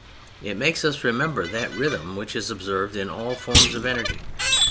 It makes us remember that rhythm which is observed in all forms of energy.